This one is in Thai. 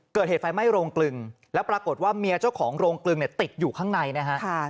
เกิดเหตุไฟไหม้โรงกลึงแล้วปรากฏว่าเมียเจ้าของโรงกลึงเนี่ยติดอยู่ข้างในนะฮะ